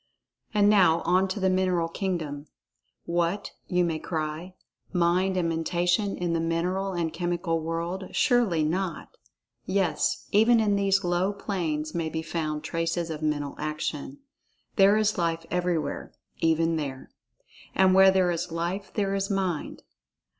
And now on to the mineral kingdom. "What," you may cry, "Mind and Mentation in the mineral and chemical world—surely not?" Yes, even in these low planes may be found traces of mental action. There is Life everywhere—even there. And where there is Life there is Mind.